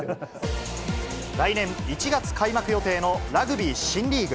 来年１月開幕予定のラグビー新リーグ。